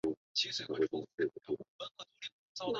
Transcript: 新宫殿接待过退位的希腊国王和王后奥托一世夫妇。